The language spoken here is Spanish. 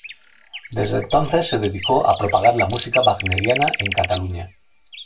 Desde entonces se dedicó a propagar la música wagneriana en Cataluña.